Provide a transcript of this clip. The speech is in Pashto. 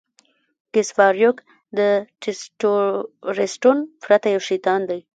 ګس فارویک د ټسټورسټون پرته یو شیطان دی